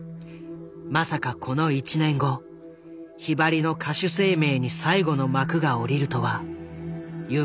まさかこの１年後ひばりの歌手生命に最後の幕が下りるとは夢にも思わず。